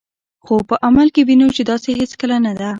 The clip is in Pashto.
خو په عمل کې وینو چې داسې هیڅکله نه ده.